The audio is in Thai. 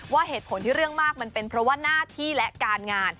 เหตุผลที่เรื่องมากมันเป็นเพราะว่าหน้าที่และการงาน